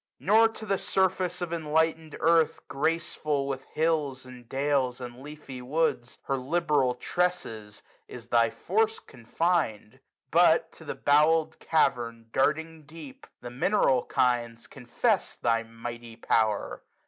Nor to the surface of enlivened earth, 13a Graceful with hills and dales, and leafy woods. Her liberal tresses, is thy force confined : But, to the bowel'd cavern darting deep. The mineral kinds confess thy mighty power.